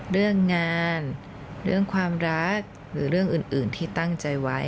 เรื่องงานเรื่องความรักหรือเรื่องอื่นที่ตั้งใจไว้